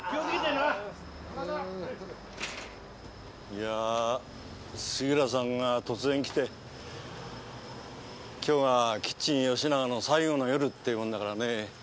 いやー杉浦さんが突然来て今日がキッチンよしながの最後の夜って言うもんだからね。